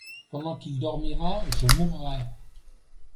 Pendant qu'il dormira, je mourrai.